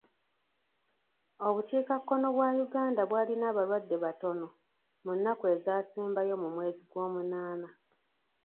Obukiikakkono bwa Uganda bw'alina abalwadde batono mu nnaku ezasembayo mu mwezi gw'omunaana.